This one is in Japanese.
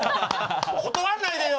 断んないでよ！